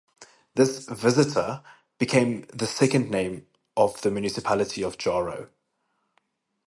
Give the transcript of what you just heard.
This "Visita" became the second name of the municipality of Jaro.